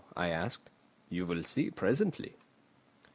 I asked. "You will see presently."